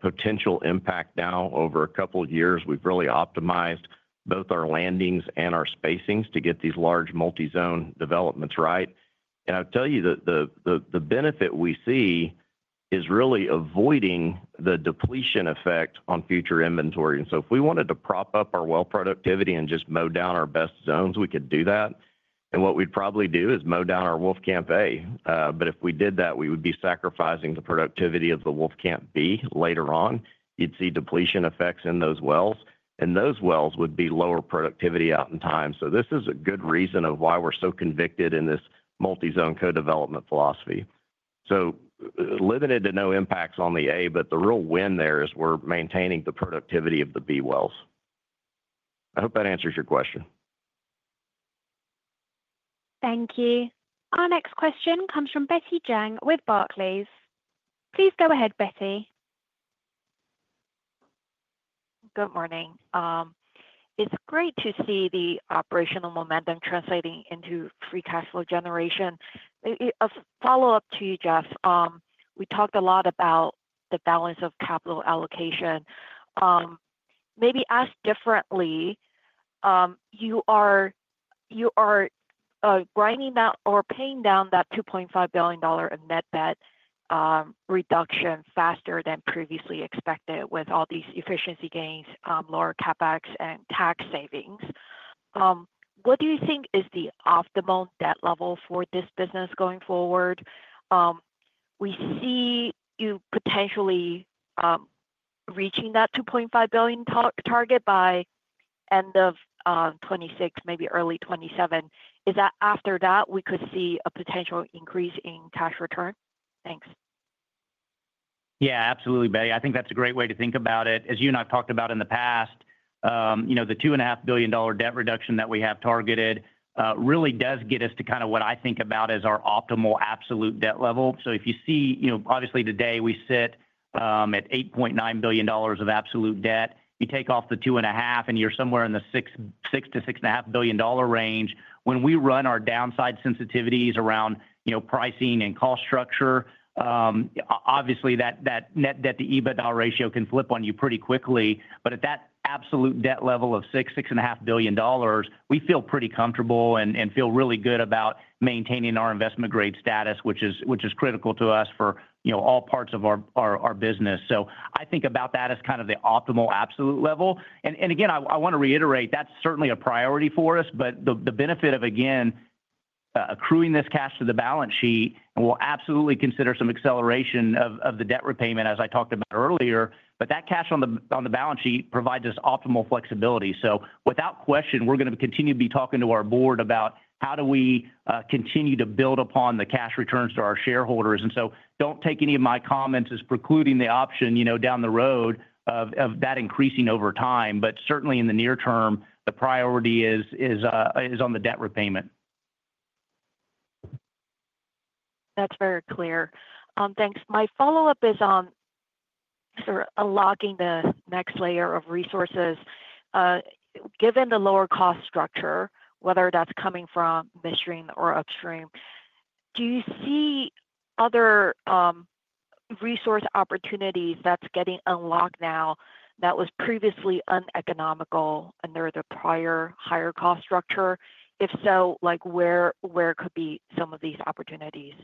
potential impact now over a couple of years. We've really optimized both our landings and our spacings to get these large multi-zone developments right. The benefit we see is really avoiding the depletion effect on future inventory. If we wanted to prop up our well productivity and just mow down our best zones, we could do that. What we'd probably do is mow down our Wolfcamp A. If we did that, we would be sacrificing the productivity of the Wolfcamp B later on. You'd see depletion effects in those wells, and those wells would be lower productivity out in time. This is a good reason of why we're so convicted in this multi-zone co-development philosophy. Limited to no impacts on the A, but the real win there is we're maintaining the productivity of the B wells. I hope that answers your question. Thank you. Our next question comes from Betty Zhang with Barclays. Please go ahead, Betty. Good morning. It's great to see the operational momentum translating into free cash flow generation. A follow-up to you, Jeff. We talked a lot about the balance of capital allocation. Maybe ask differently, you are grinding down or paying down that $2.5 billion in net debt reduction faster than previously expected with all these efficiency gains, lower CapEx, and tax savings. What do you think is the optimal debt level for this business going forward? We see you potentially reaching that $2.5 billion target by the end of 2026, maybe early 2027. Is that after that we could see a potential increase in cash return? Thanks. Yeah, absolutely, Betty. I think that's a great way to think about it. As you and I have talked about in the past, the $2.5 billion debt reduction that we have targeted really does get us to kind of what I think about as our optimal absolute debt level. If you see, obviously today we sit at $8.9 billion of absolute debt. You take off the $2.5 billion and you're somewhere in the $6 billion-$6.5 billion range. When we run our downside sensitivities around pricing and cost structure, obviously that net debt to EBITDA ratio can flip on you pretty quickly. At that absolute debt level of $6 billion-$6.5 billion, we feel pretty comfortable and feel really good about maintaining our investment grade status, which is critical to us for all parts of our business. I think about that as kind of the optimal absolute level. I want to reiterate that's certainly a priority for us, but the benefit of accruing this cash to the balance sheet, and we'll absolutely consider some acceleration of the debt repayment as I talked about earlier, is that cash on the balance sheet provides us optimal flexibility. Without question, we're going to continue to be talking to our board about how we continue to build upon the cash returns to our shareholders. Don't take any of my comments as precluding the option down the road of that increasing over time. Certainly in the near term, the priority is on the debt repayment. That's very clear. Thanks. My follow-up is on logging the next layer of resources. Given the lower cost structure, whether that's coming from midstream or upstream, do you see other resource opportunities that's getting unlocked now that was previously uneconomical under the prior higher cost structure? If so, where could be some of these opportunities?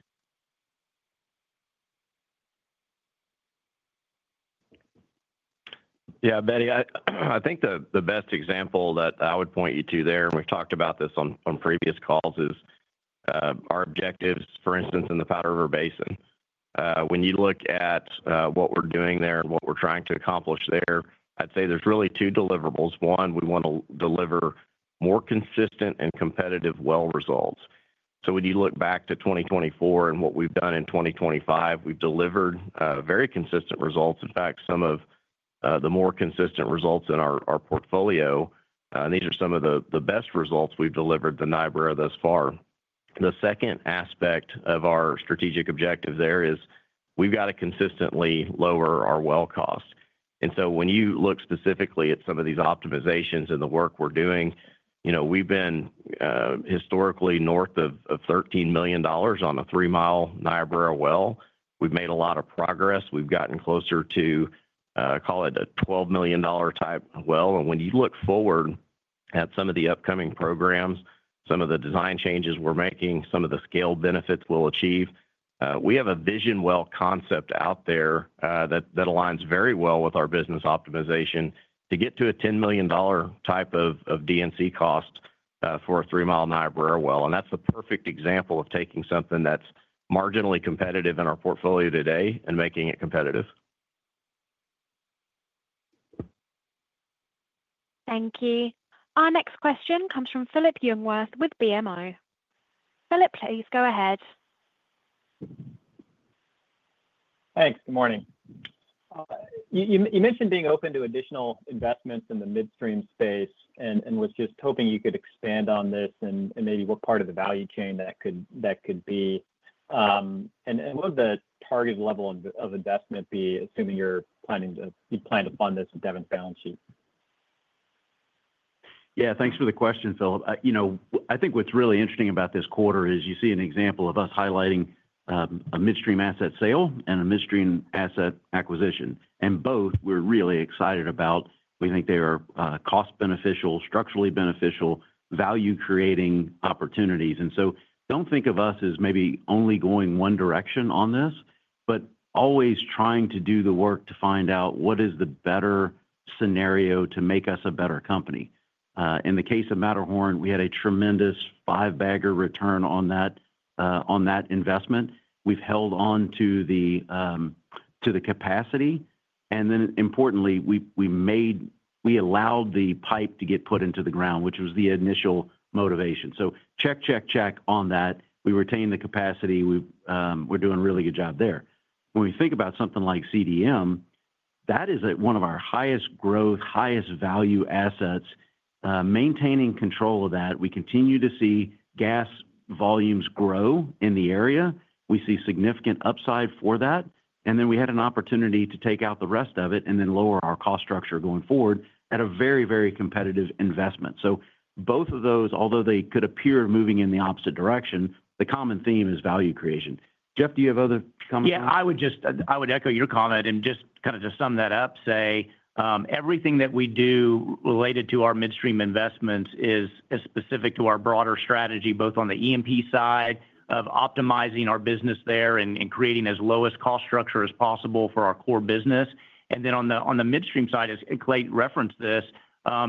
Yeah, Betty, I think the best example that I would point you to there, and we've talked about this on previous calls, is our objectives, for instance, in the Powder River Basin. When you look at what we're doing there and what we're trying to accomplish there, I'd say there's really two deliverables. One, we want to deliver more consistent and competitive well results. When you look back to 2024 and what we've done in 2025, we've delivered very consistent results. In fact, some of the more consistent results in our portfolio, and these are some of the best results we've delivered in the NIBRA thus far. The second aspect of our strategic objective there is we've got to consistently lower our well cost. When you look specifically at some of these optimizations in the work we're doing, we've been historically north of $13 million on a three-mile NIBRA well. We've made a lot of progress. We've gotten closer to, call it a $12 million type well. When you look forward at some of the upcoming programs, some of the design changes we're making, some of the scale benefits we'll achieve, we have a vision well concept out there that aligns very well with our business optimization to get to a $10 million type of DNC cost for a three-mile NIBRA well. That's the perfect example of taking something that's marginally competitive in our portfolio today and making it competitive. Thank you. Our next question comes from Phillip Jungwirth with BMO. Phillip, please go ahead. Thanks. Good morning. You mentioned being open to additional investments in the midstream space, and I was just hoping you could expand on this and maybe what part of the value chain that could be. What would the target level of investment be, assuming you're planning to fund this with Devon's balance sheet? Yeah, thanks for the question, Phillip. I think what's really interesting about this quarter is you see an example of us highlighting a midstream asset sale and a midstream asset acquisition. Both, we're really excited about. We think they are cost-beneficial, structurally beneficial, value-creating opportunities. Don't think of us as maybe only going one direction on this, but always trying to do the work to find out what is the better scenario to make us a better company. In the case of Matterhorn, we had a tremendous five-bagger return on that investment. We've held on to the capacity. Importantly, we allowed the pipe to get put into the ground, which was the initial motivation. Check, check, check on that. We retain the capacity. We're doing a really good job there. When we think about something like CDM, that is one of our highest growth, highest value assets. Maintaining control of that, we continue to see gas volumes grow in the area. We see significant upside for that. We had an opportunity to take out the rest of it and then lower our cost structure going forward at a very, very competitive investment. Both of those, although they could appear moving in the opposite direction, the common theme is value creation. Jeff, do you have other comments? Yeah, I would just echo your comment and just kind of to sum that up, say everything that we do related to our midstream investments is specific to our broader strategy, both on the E&P side of optimizing our business there and creating as low a cost structure as possible for our core business. Then on the midstream side, as Clay referenced this,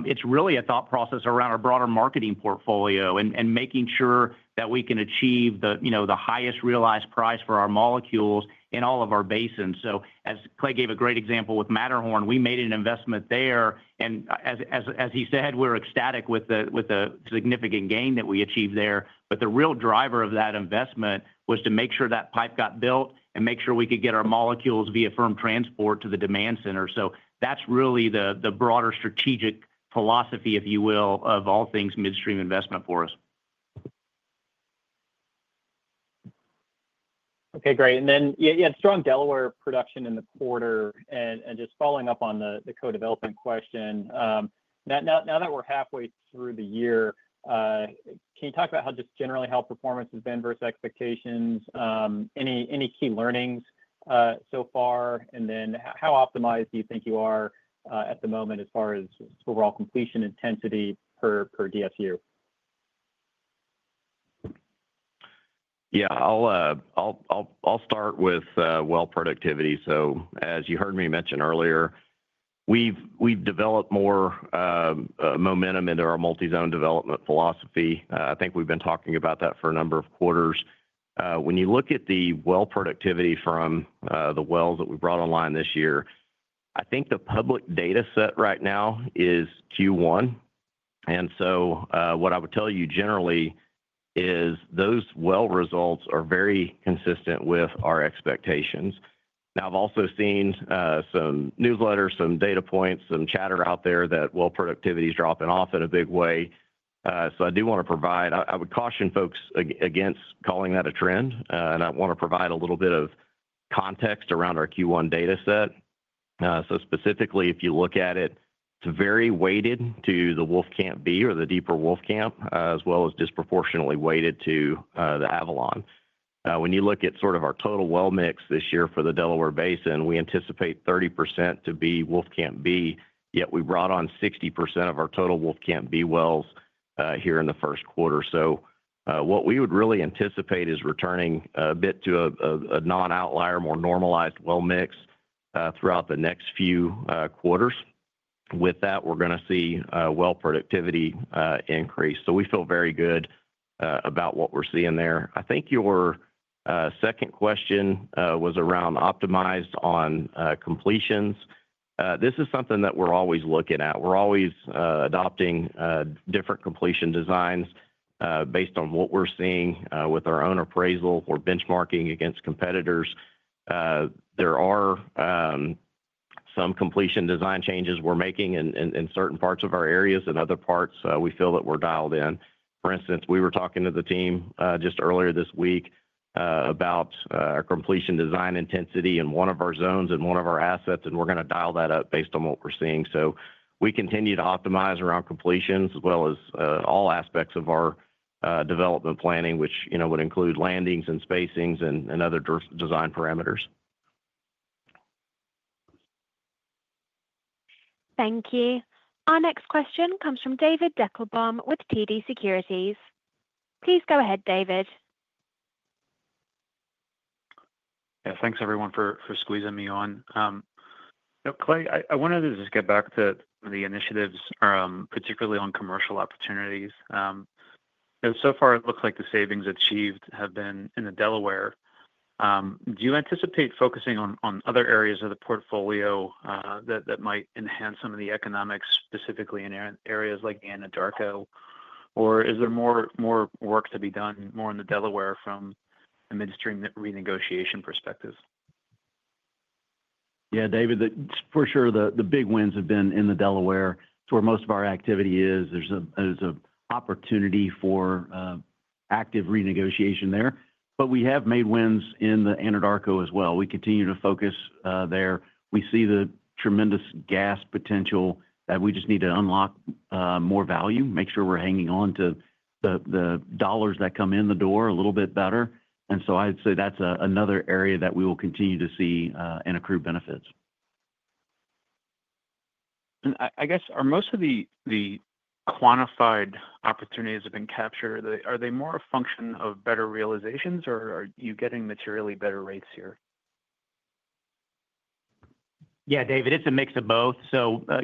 it's really a thought process around our broader marketing portfolio and making sure that we can achieve the highest realized price for our molecules in all of our basins. As Clay gave a great example with Matterhorn, we made an investment there, and as he said, we're ecstatic with the significant gain that we achieved there. The real driver of that investment was to make sure that pipe got built and make sure we could get our molecules via firm transport to the demand center. That's really the broader strategic philosophy, if you will, of all things midstream investment for us. Okay, great. You had strong Delaware production in the quarter. Just following up on the co-development question, now that we're halfway through the year, can you talk about how, just generally, how performance has been versus expectations? Any key learnings so far? How optimized do you think you are at the moment as far as overall completion intensity per DSU? Yeah, I'll start with well productivity. As you heard me mention earlier, we've developed more momentum into our multi-zone development philosophy. I think we've been talking about that for a number of quarters. When you look at the well productivity from the wells that we brought online this year, I think the public data set right now is Q1. What I would tell you generally is those well results are very consistent with our expectations. I've also seen some newsletters, some data points, some chatter out there that well productivity is dropping off in a big way. I would caution folks against calling that a trend, and I want to provide a little bit of context around our Q1 data set. Specifically, if you look at it, it's very weighted to the Wolfcamp B or the deeper Wolfcamp, as well as disproportionately weighted to the Avalon. When you look at sort of our total well mix this year for the Delaware Basin, we anticipate 30% to be Wolfcamp B, yet we brought on 60% of our total Wolfcamp B wells here in the first quarter. What we would really anticipate is returning a bit to a non-outlier, more normalized well mix throughout the next few quarters. With that, we're going to see well productivity increase. We feel very good about what we're seeing there. I think your second question was around optimized on completions. This is something that we're always looking at. We're always adopting different completion designs based on what we're seeing with our own appraisal or benchmarking against competitors. There are some completion design changes we're making in certain parts of our areas and other parts we feel that we're dialed in. For instance, we were talking to the team just earlier this week about completion design intensity in one of our zones and one of our assets, and we're going to dial that up based on what we're seeing. We continue to optimize around completions as well as all aspects of our development planning, which, you know, would include landings and spacings and other design parameters. Thank you. Our next question comes from David Deckelbaum with TD Securities. Please go ahead, David. Yeah, thanks everyone for squeezing me on. Clay, I wanted to just get back to the initiatives, particularly on commercial opportunities. So far, it looks like the savings achieved have been in the Delaware. Do you anticipate focusing on other areas of the portfolio that might enhance some of the economics, specifically in areas like Anadarko? Is there more work to be done more in the Delaware from a midstream renegotiation perspective? Yeah, David, for sure, the big wins have been in the Delaware. It's where most of our activity is. There's an opportunity for active renegotiation there. We have made wins in the Anadarko as well. We continue to focus there. We see the tremendous gas potential that we just need to unlock more value, make sure we're hanging on to the dollars that come in the door a little bit better. I'd say that's another area that we will continue to see in accrued benefits. Are most of the quantified opportunities that have been captured more a function of better realizations, or are you getting materially better rates here? Yeah, David, it's a mix of both.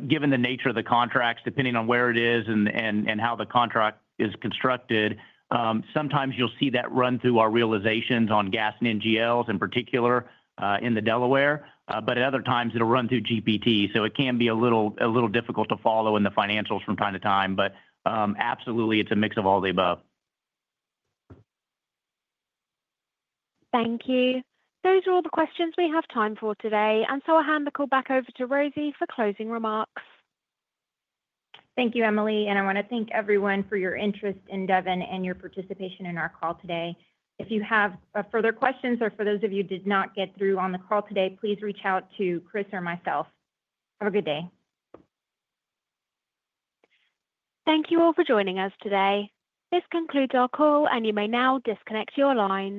Given the nature of the contracts, depending on where it is and how the contract is constructed, sometimes you'll see that run through our realizations on gas and NGLs, in particular in the Delaware. At other times, it'll run through GPT. It can be a little difficult to follow in the financials from time to time. Absolutely, it's a mix of all the above. Thank you. Those are all the questions we have time for today. I'll hand the call back over to Rosy for closing remarks. Thank you, Emily. I want to thank everyone for your interest in Devon and your participation in our call today. If you have further questions or for those of you who did not get through on the call today, please reach out to Chris or myself. Have a good day. Thank you all for joining us today. This concludes our call, and you may now disconnect your line.